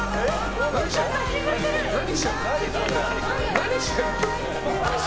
何してんの？